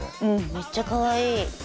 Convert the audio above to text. めっちゃかわいい。